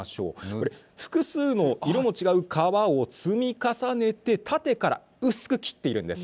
これ、複数の色の違う革を積み重ねて、縦から薄く切っているんです。